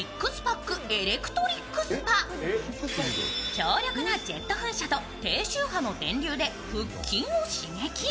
強力なジェット噴射と低周波の電流で腹筋を刺激。